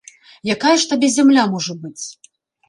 Якая ж табе зямля можа быць?